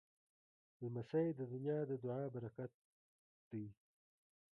لمسی د نیا د دعا پرکت دی.